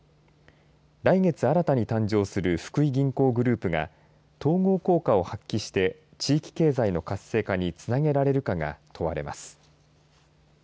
来月、新たに誕生する福井銀行グループが統合効果を発揮して地域経済の活性化につなげられるかが問われます。